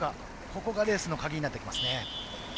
ここがレースの鍵になってきますね。